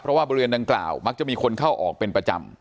เพราะว่าบริเวณดังกล่าวมักจะมีคนเข้าออกเป็นประจำ